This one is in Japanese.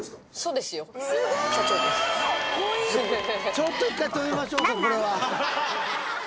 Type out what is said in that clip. ちょっと一回止めましょうかこれは。